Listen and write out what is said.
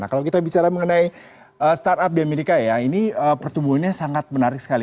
kalau kita bicara mengenai startup di amerika ya ini pertumbuhannya sangat menarik sekali